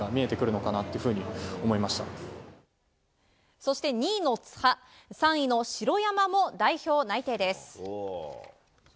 そして２位の津波３位の城山も代表内定です。